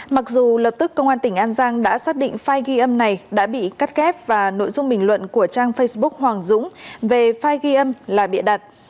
mặc dù lập tức công an tỉnh an giang đã xác định file ghi âm này đã bị cắt ghép và nội dung bình luận của trang facebook hoàng dũng về file ghi âm là bịa đặt